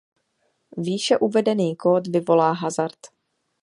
Výše uvedený kód vyvolá hazard.